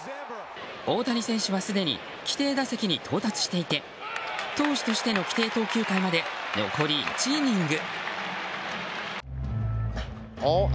大谷選手はすでに規定打席に到達していて投手としての規定投球回まで残り１イニング。